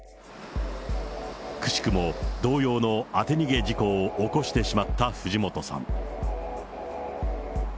くしくも同様の当て逃げ事故を起こしてしまった藤本さん。